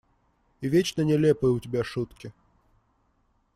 И вечно нелепые у тебя шутки…